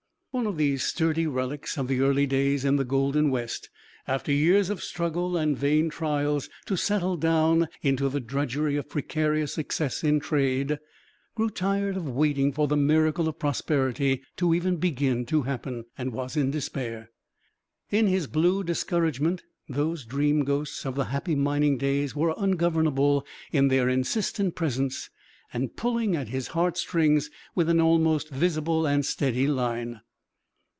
One of these sturdy relics of the early days in the golden west, after years of struggle and vain trials to settle down into the drudgery of precarious success in trade, grew tired of waiting for the miracle of prosperity to even begin to happen, and was in despair. In his blue discouragement those dream ghosts of the happy mining days were ungovernable in their insistent presence and pulling at his heart strings with an almost visible and steady line.